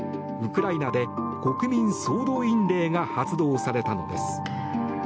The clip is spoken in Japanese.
ウクライナで国民総動員令が発動されたのです。